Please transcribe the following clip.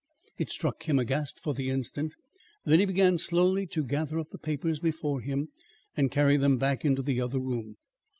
It struck him aghast for the instant, then he began slowly to gather up the papers before him and carry them back into the other room.